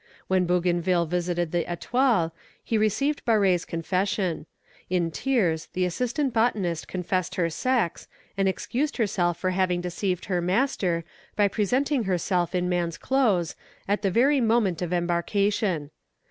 When Bougainville visited the Etoile, he received Barré's confession. In tears, the assistant botanist confessed her sex, and excused herself for having deceived her master, by presenting herself in man's clothes, at the very moment of embarkation.